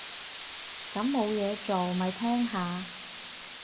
咁冇嘢做，咪聽下